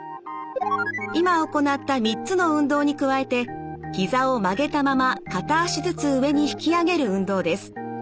今行った３つの運動に加えてひざを曲げたまま片脚ずつ上に引き上げる運動です。